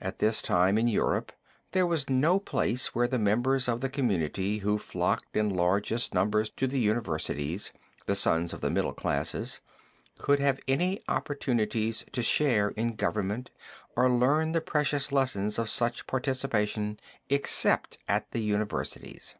At this time in Europe there was no place where the members of the community who flocked in largest numbers to the universities, the sons of the middle classes, could have any opportunities to share in government or learn the precious lessons of such participation, except at the universities.